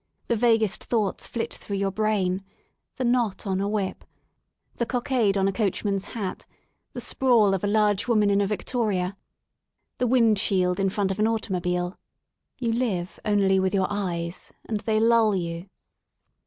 The vaguest thoughts flit through your brain : the knot on a whip, the cockade on a coachman's hat, the sprawl of a large woman in a victoria, the wind shield in front of an automobile. You live only with your eyes, and they lull you.